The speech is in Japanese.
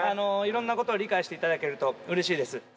いろんなことを理解していただけるとうれしいです。